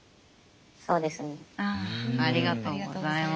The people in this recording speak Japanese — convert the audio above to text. ありがとうございます。